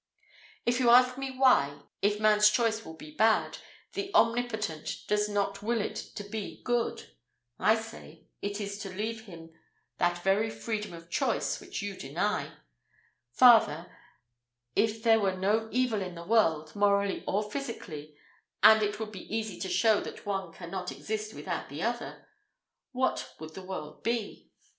If you ask me why, if man's choice will be bad, the Omnipotent does not will it to be good? I say, it is to leave him that very freedom of choice which you deny. Farther, if there were no evil in the world, morally or physically, and it would be easy to show that one cannot exist without the other what would the world be?